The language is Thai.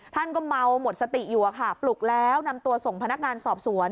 ท่านก็เมาหมดสติอยู่อะค่ะปลุกแล้วนำตัวส่งพนักงานสอบสวน